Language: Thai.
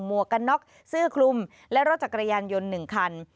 วกกันน็อกเสื้อคลุมและรถจักรยานยนต์๑คัน